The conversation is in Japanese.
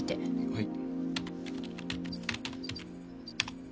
はい。